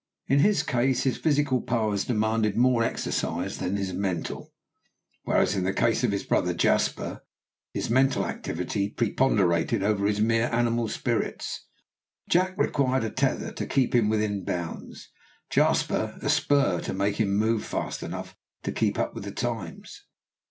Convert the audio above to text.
In his case his physical powers demanded more exercise than his mental, whereas in the case of his brother Jasper his mental activity preponderated over his mere animal spirits. Jack required a tether to keep him within bounds, Jasper a spur to make him move fast enough to keep up with the times.